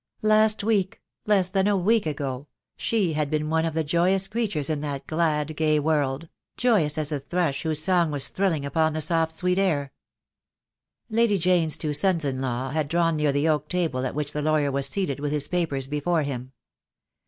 Last week, less than a week ago, she had been one of the joyous creatures in that glad, gay world — joyous as the thrush whose song was thrilling upon the soft sweet air. Lady Jane's two sons in law had drawn near the oak table at which the lawyer was seated with his papers before him.